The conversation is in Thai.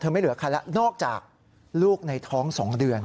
ไม่เหลือใครแล้วนอกจากลูกในท้อง๒เดือน